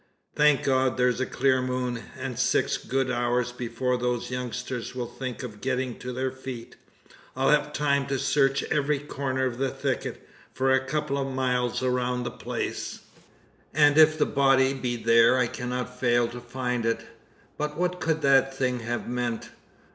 "Thank God, there's a clear moon, and six good hours before those youngsters will think of getting to their feet! I'll have time to search every corner of the thicket, for a couple of miles around the place; and if the body be there I cannot fail to find it. But what could that thing have meant?